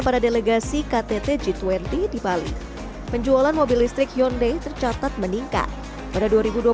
pada delegasi ktt g dua puluh di bali penjualan mobil listrik hyundai tercatat meningkat pada dua ribu dua puluh satu